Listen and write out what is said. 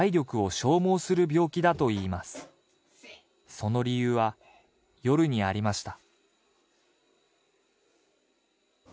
その理由は夜にありました